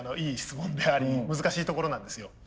いい質問であり難しいところなんですよ。